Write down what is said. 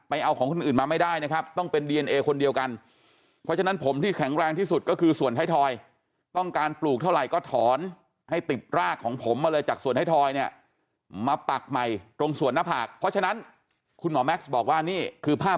้าจะมาปากใหม่ตรงส่วนน้ำผากเพราะฉะนั้นคุณหมอแม็คบอกว่านี่คือภาพ